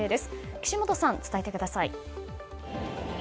岸本さん、伝えてください。